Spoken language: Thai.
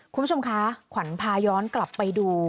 คุณผู้ชมคะขวัญพาย้อนกลับไปดู